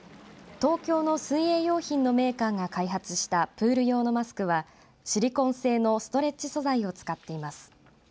東京の水泳用品メーカーが開発したプール用のマスクはシリコン製のストレッチ素材を使っています。